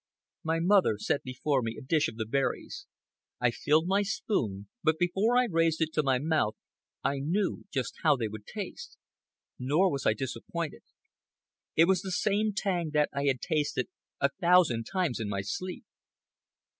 My mother set before me a dish of the berries. I filled my spoon, but before I raised it to my mouth I knew just how they would taste. Nor was I disappointed. It was the same tang that I had tasted a thousand times in my sleep.